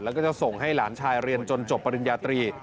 แล้วก็จะส่งให้หลานชายเรียนจนจบปริญญาตรี